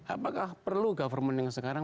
apakah perlu government yang sekarang